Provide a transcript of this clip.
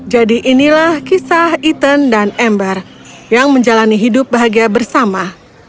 jadi inilah kisah ethan dan amber yang menjalani hidup bahagia bersama